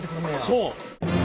そう。